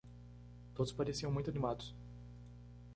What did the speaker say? Todos pareciam muito animados.